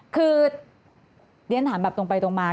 คือเรียนถามแบบตรงไปตรงมา